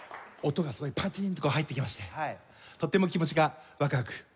音がすごいパチンとこう入ってきましてとっても気持ちがワクワク！